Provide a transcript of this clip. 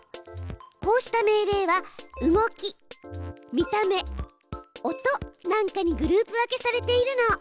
こうした命令は「動き」「見た目」「音」なんかにグループ分けされているの。